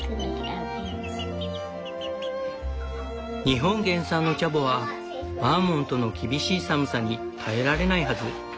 「日本原産のチャボはバーモントの厳しい寒さに耐えられないはず」。